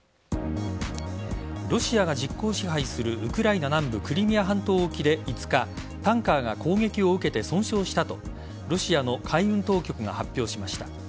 ロシアが実効支配するウクライナ南部クリミア半島沖で５日タンカーが攻撃を受けて損傷したとロシアの海運当局が発表しました。